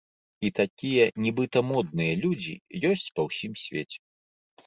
І такія нібыта модныя людзі ёсць па ўсім свеце.